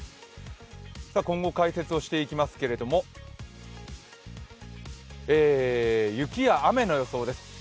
今後の解説をしていきますけど、雪や雨の予想です。